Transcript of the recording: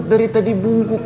ada kepada kamu